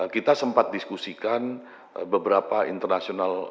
kita sempat diskusikan beberapa internasional organisasi